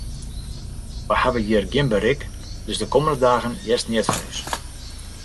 Wy hawwe hjir gjin berik, dus de kommende dagen hearst neat fan ús.